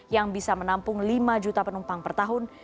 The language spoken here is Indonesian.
yang bisa menampung lima juta penumpang per tahun